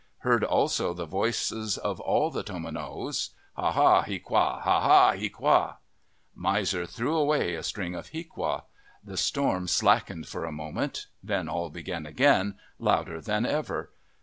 Heard also the voices of all the tomanowos, " Ha, ha, hiaqua ! Ha, ha, hiaqua !' Miser threw away a string of hiaqua. The storm 77 MYTHS AND LEGENDS slackened for a moment. Then all began again, louder than ever.